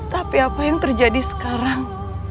tapi apa yang terjadi sekarang